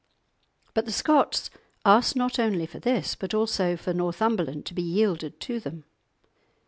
But the Scots asked not only for this, but also for Northumberland to be yielded to them.